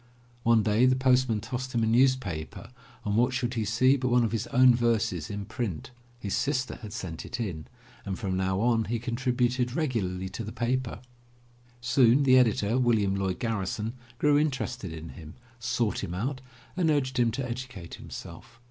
One day the postman tossed him a newspaper and what should he see but one of his own verses in print. His sister had sent it in, and from now on he contrib uted regularly to the paper. Soon the editor, William Lloyd Garrison, grew interested in him, sought him out, and urged him to educate himself.